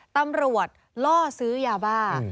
ตำรวจล่อซื้อยาบ้า